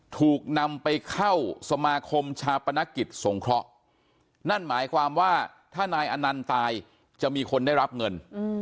ถูกนำไปเข้าสมาคมชาปนกิจสงเคราะห์นั่นหมายความว่าถ้านายอนันต์ตายจะมีคนได้รับเงิน